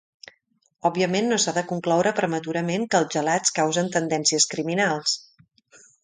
Òbviament, no s'ha de concloure prematurament que els gelats causen tendències criminals.